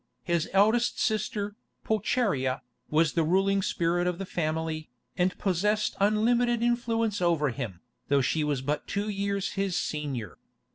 His eldest sister, Pulcheria, was the ruling spirit of the family, and possessed unlimited influence over him, though she was but two years his senior.